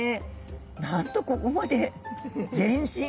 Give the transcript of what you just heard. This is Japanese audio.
なんとここまで全身。